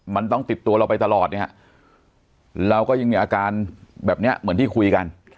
มันต้องติดตัวเราไปตลอดเนี่ยฮะเราก็ยังมีอาการแบบนี้เหมือนที่คุยกัน